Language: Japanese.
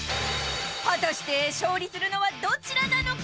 ［果たして勝利するのはどちらなのか？］